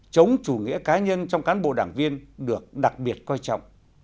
chống chủ nghĩa cá nhân trong cán bộ đảng viên được đặc biệt coi trọng